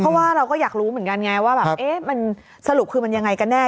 เพราะว่าเราก็อยากรู้เหมือนกันไงว่าแบบเอ๊ะมันสรุปคือมันยังไงกันแน่